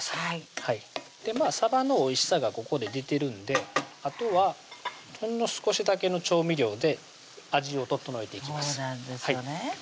はいさばのおいしさがここで出てるんであとはほんの少しだけの調味料で味を調えていきますそうなんですよね